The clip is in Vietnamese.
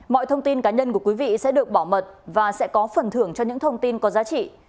mọi thông tin cá nhân của quý vị sẽ được bảo mật và sẽ có phần thưởng cho những thông tin có giá trị